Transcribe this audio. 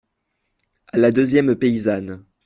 A la deuxième paysanne.